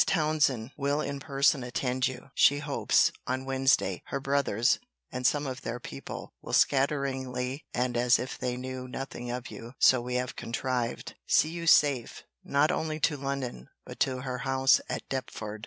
Townsend will in person attend you—she hopes, on Wednesday—her brothers, and some of their people, will scatteringly, and as if they knew nothing of you, [so we have contrived,] see you safe not only to London, but to her house at Deptford.